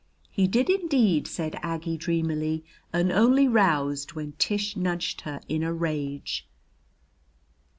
'" "He did indeed," said Aggie dreamily, and only roused when Tish nudged her in a rage.